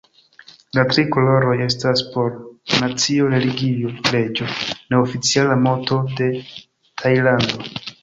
La tri koloroj estas por nacio-religio-reĝo, neoficiala moto de Tajlando.